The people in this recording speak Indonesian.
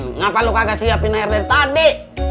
kenapa lu kagak siapin air dari tadi